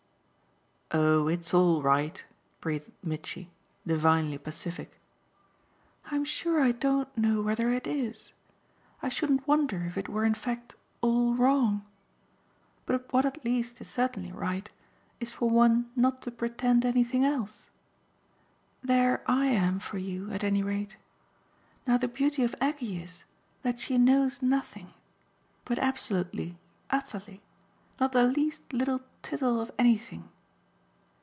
"Oh it's all right!" breathed Mitchy, divinely pacific. "I'm sure I don't know whether it is; I shouldn't wonder if it were in fact all wrong. But what at least is certainly right is for one not to pretend anything else. There I am for you at any rate. Now the beauty of Aggie is that she knows nothing but absolutely, utterly: not the least little tittle of anything."